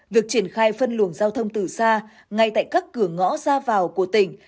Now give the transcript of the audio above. việc triển khai phân luồng giao thông từ xa ngay tại các cửa ngõ ra vào của tỉnh